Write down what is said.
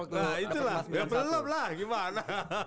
nah itu lah belum lah gimana